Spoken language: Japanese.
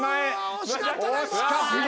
惜しかったな今。